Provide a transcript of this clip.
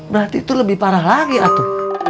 berarti itu lebih parah lagi atu